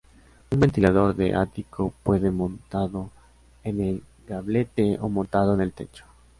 Un ventilador de ático puede montado en el gablete o montado en el techo.